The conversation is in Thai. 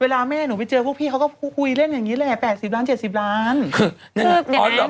แม่หนูไปเจอพวกพี่เขาก็คุยเล่นอย่างนี้แหละ๘๐ล้าน๗๐ล้าน